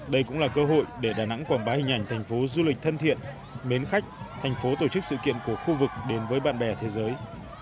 đây cũng là cơ hội để đà nẵng quảng bá hình ảnh thành phố du lịch thân thiện mến khách thành phố tổ chức sự kiện của khu vực đến với bạn bè thế giới